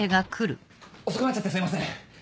遅くなっちゃってすいません。